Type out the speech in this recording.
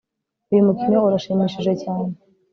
Uyu mukino urashimishije cyane